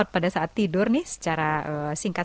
pada saat tidur nih secara singkat